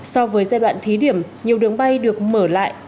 so với giai đoạn thí điểm nhiều đường bay được mở lại